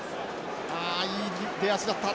ああいい出足だった。